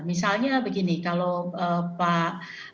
misalnya begini kalau pak handoko pak han menyebut misalnya kita disini untuk